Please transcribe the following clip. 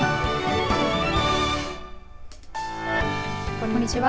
こんにちは。